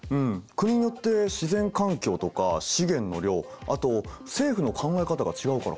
国によって自然環境とか資源の量あと政府の考え方が違うからかな？